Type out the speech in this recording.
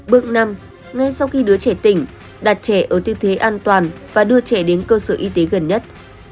bước năm ngay sau khi đứa trẻ tỉnh đạt trẻ ở tư thế an toàn và đưa trẻ đến cơ sở y tế gần nhất